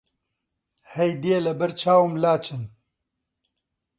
هەیدێ لەبەر چاوم لاچن!